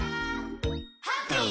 「ハッピー！」